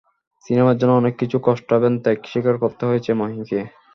সিনেমার জন্য অনেক কিছু কষ্ট এবং ত্যাগ স্বীকার করতে হয়েছে মাহিকে।